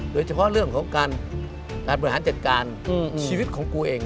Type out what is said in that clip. โดยเฉพาะเรื่องของการบริหารจัดการชีวิตของกูเอง